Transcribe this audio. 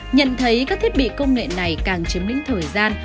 nhận thấy các thiết bị công nghệ này càng chiếm lĩnh thời gian